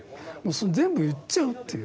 全部言っちゃうという。